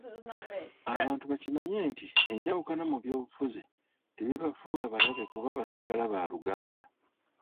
Abantu bakimanye nti enjawukana mu byobufuzi tebibafuula balabe kuba basigala baluganda.